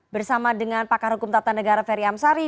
bersama dengan pakar hukum tata negara ferry amsari